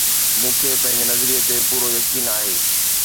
مون کي پنهنجي نظريي تي پورو يقين آهي